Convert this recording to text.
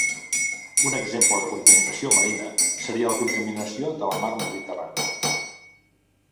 Un exemple de contaminació marina seria la contaminació de la mar Mediterrània.